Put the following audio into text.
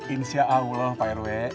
insya allah prw